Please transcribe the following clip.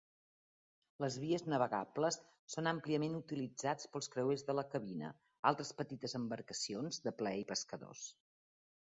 Les vies navegables són àmpliament utilitzats pels creuers de la cabina, altres petites embarcacions de plaer i pescadors.